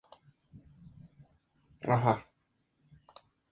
Todos en el pueblo son sospechosos.